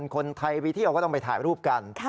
คนไทยไปเที่ยวก็ต้องไปถ่ายรูปกัน